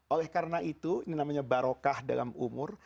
oleh karena itu ini namanya barokah dalam umur